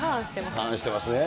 ターンしてますね。